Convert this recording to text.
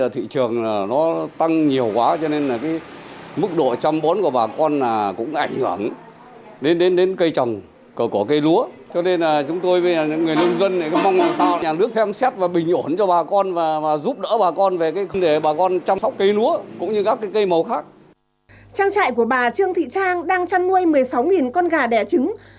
trang trại của bà trương thị trang đang chăn nuôi một mươi sáu con gà đẻ trứng